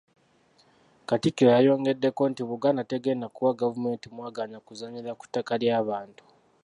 Katikkiro yayongeddeko nti Buganda tegenda kuwa gavumenti mwagaanya kuzannyira ku ttaka ly’abantu.